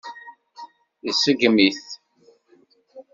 Iṣeggem-it.